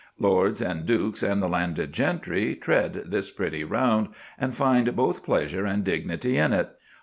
Lords and dukes and the landed gentry tread this pretty round, and find both pleasure and dignity in it.